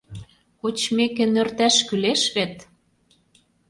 Кочмеке, нӧрташ кӱлеш вет?